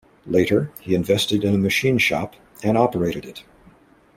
Later, he invested in a machine shop and operated it.